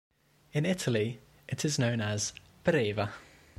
In Italy it is known as Breva.